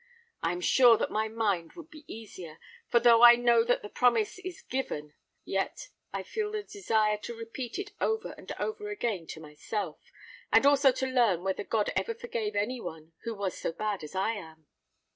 I am sure that my mind would be easier; for though I know that the promise is given, yet I feel a desire to repeat it over and over again to myself—and also to learn whether God ever forgave any one who was so bad as I am."